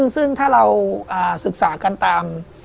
ซึ่งถ้าเราศึกษากันตาม